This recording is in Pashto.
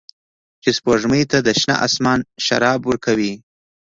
چې سپوږمۍ ته د شنه اسمان شراب ورکوي